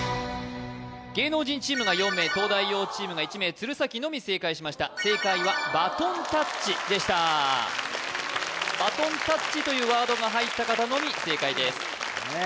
芸能人チームが４名東大王チームが１名鶴崎のみ正解しました正解はバトンタッチでしたバトンタッチというワードが入った方のみ正解ですねえ